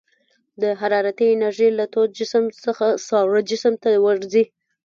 د حرارتي انرژي له تود جسم څخه ساړه جسم ته ورځي.